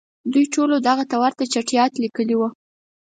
دوی ټولو دغه ته ورته چټیاټ لیکلي وو.